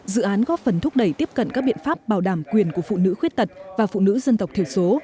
dự án góp phần thúc đẩy tiếp cận các biện pháp bảo đảm quyền của phụ nữ khuyết tật và phụ nữ dân tộc thiểu số